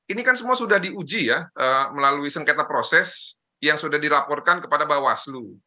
ini kan semua sudah diuji ya melalui sengketa proses yang sudah dilaporkan kepada bawaslu